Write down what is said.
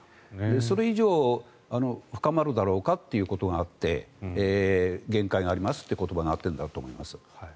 それ以上、深まるだろうかということがあって限界がありますということになっているんだと思います。